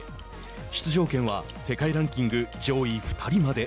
出場権は世界ランキング上位２人まで。